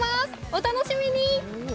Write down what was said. お楽しみに！